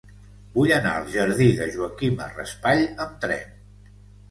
Vull anar al jardí de Joaquima Raspall amb tren.